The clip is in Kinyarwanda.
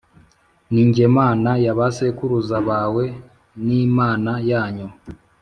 Ni jye Mana ya ba sekuruza bawe n Imana yanyu